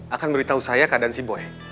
akan beritahu saya keadaan si boe